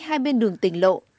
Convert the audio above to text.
hai bên đường tỉnh lộ